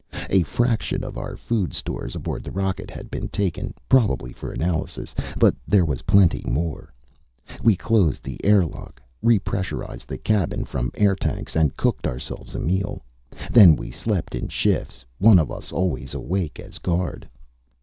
A fraction of our food stores aboard the rocket had been taken, probably for analysis. But there was plenty more. We closed the airlock, repressurized the cabin from air tanks, and cooked ourselves a meal. Then we slept in shifts, one of us always awake as guard.